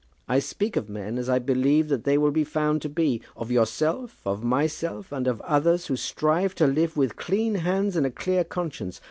I speak of men as I believe that they will be found to be; of yourself, of myself, and of others who strive to live with clean hands and a clear conscience.